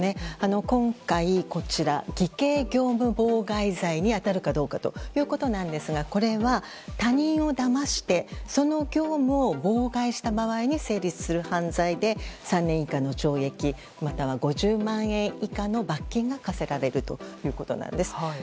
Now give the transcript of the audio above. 今回、偽計業務妨害罪に当たるかどうかなんですがこれは、他人をだましてその業務を妨害した場合に成立する犯罪で、３年以下の懲役または５０万円以下の罰金が科せられるということです。